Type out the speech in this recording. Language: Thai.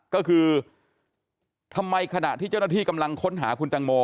ก็คือทำไมขณะที่เจ้าหน้าที่กำลังค้นหาคุณตังโม